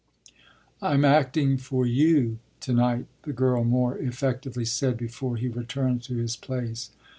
"I'm acting for you to night," the girl more effectively said before he returned to his place.